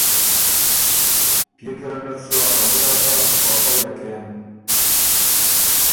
پئے ګیرډت سُو ا خبُره از په خوَیه کېم